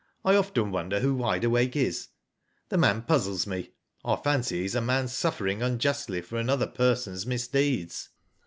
"I often wonder who Wide Awake is. The man puzzles me. I fancy he is a man suffering unjustly for another person's misdeeds.